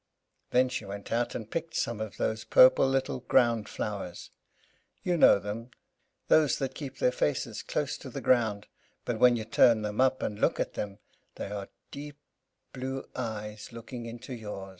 Then she went out and picked some of those purple little ground flowers you know them those that keep their faces close to the ground, but when you turn them up and look at them they are deep blue eyes looking into yours!